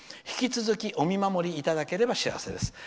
引き続きお見守りいただければ幸いです。